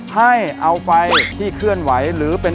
ให้เอาไฟที่เขื่อนไหว